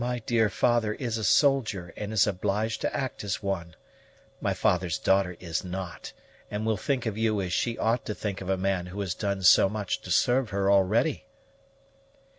"My dear father is a soldier, and is obliged to act as one. My father's daughter is not, and will think of you as she ought to think of a man who has done so much to serve her already."